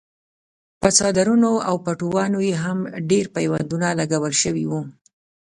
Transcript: په څادرونو او پټوانو یې هم ډېر پیوندونه لګول شوي وو.